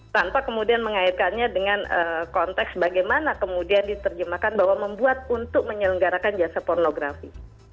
tanpa kemudian mengaitkannya dengan konteks bagaimana kemudian diterjemahkan bahwa membuat untuk menyelenggarakan jasa pornografi